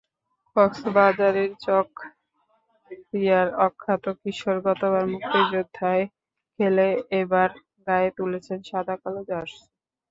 কক্সবাজারের চকরিয়ার অখ্যাত কিশোর গতবার মুক্তিযোদ্ধায় খেলে এবার গায়ে তুলেছেন সাদা-কালো জার্সি।